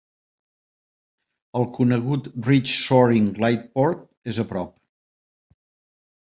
El conegut Ridge Soaring Gliderport és a prop.